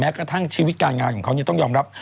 กระทั่งชีวิตการงานของเขาต้องยอมรับ